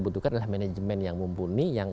butuhkan adalah manajemen yang mumpuni yang